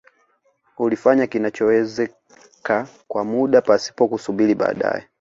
Ulifanya kinachowezeka kwa muda pasipo kusubiri baadae